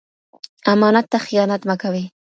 امانت ته خيانت مه کوئ.